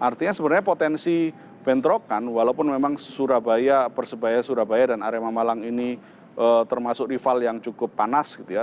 artinya sebenarnya potensi bentrokan walaupun memang surabaya persebaya surabaya dan arema malang ini termasuk rival yang cukup panas gitu ya